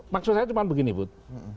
maksud saya cuma begini but